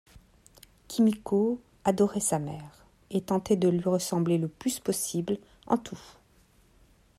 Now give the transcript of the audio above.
Kimiko adorait sa mère et tentait de lui ressembler le plus possible en tout.